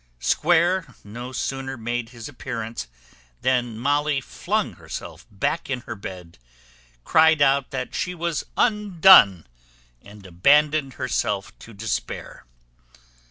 Square no sooner made his appearance than Molly flung herself back in her bed, cried out she was undone, and abandoned herself to despair.